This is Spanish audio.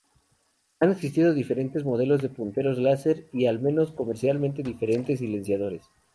Han existido diferentes modelos de punteros láser y, al menos comercialmente, diferentes silenciadores.